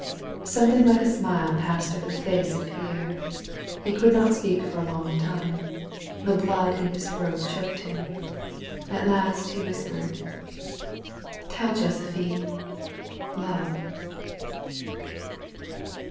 Something like a smile passed over the face of 135 THE VALLEY OF VISION Pierre. He could not speak for a long time. The blood in his throat choked him. At last he whis pered: "TeU Josephine— love."